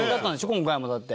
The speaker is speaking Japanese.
今回もだって。